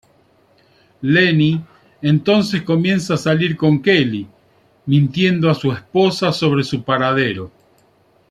Lenny entonces comienza a salir con Kelly, mintiendo a su esposa sobre su paradero.